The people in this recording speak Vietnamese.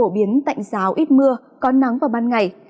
đến tạnh giáo ít mưa có nắng vào ban ngày